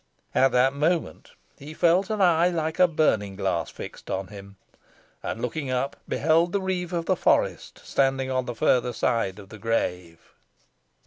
At that moment he felt an eye like a burning glass fixed upon him, and, looking up, beheld the reeve of the forest standing on the further side of the grave.